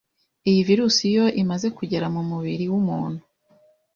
Iyi virus iyo imaze kugera mu mubiri w'umuntu